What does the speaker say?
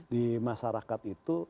di masyarakat itu